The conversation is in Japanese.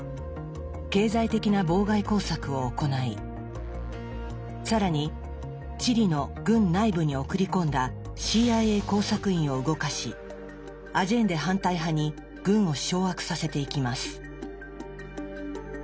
経済的な妨害工作を行い更にチリの軍内部に送り込んだＣＩＡ工作員を動かしアジェンデ反対派に軍を掌握させていきます。